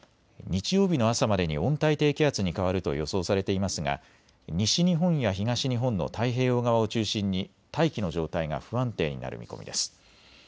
日曜日の朝までに温帯低気圧に変わると予想されていますが西日本や東日本の太平洋側を中心に大気の状態が不安定になる見込みです。